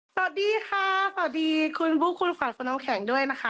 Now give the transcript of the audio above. สวัสดีค่ะสวัสดีคุณบุ๊คคุณขวัญคุณน้ำแข็งด้วยนะคะ